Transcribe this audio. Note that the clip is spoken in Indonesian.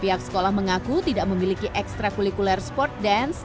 pihak sekolah mengaku tidak memiliki ekstra kulikuler sport dance